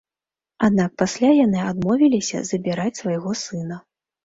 Аднак пасля яны адмовіліся забіраць свайго сына.